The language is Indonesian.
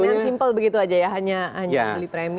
plain and simple begitu aja ya hanya beli premi